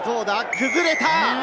崩れた！